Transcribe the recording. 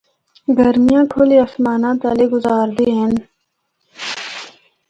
گرمیاں کھلے آسمانا تلے گزاردے ہن۔